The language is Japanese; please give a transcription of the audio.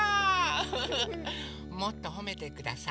ウフフもっとほめてください。